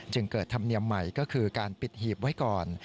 จึงเกิดธรรมเนียมใหม่ก็คือการปิดหีบไว้ก่อน